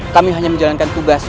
kami hanya menjalankan tugas